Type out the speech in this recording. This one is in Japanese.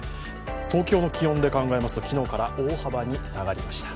東京の気温は昨日から大幅に下がりました。